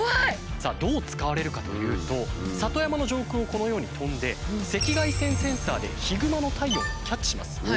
さあどう使われるかというと里山の上空をこのように飛んで赤外線センサーでヒグマの体温をキャッチします。